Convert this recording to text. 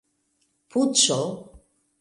puĉo